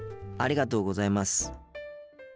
ありがとうございます。